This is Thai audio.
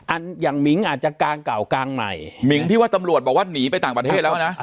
อย่างมิ้งอาจจะกางเก่ากลางใหม่มิ้งพี่ว่าตำรวจบอกว่าหนีไปต่างประเทศแล้วนะ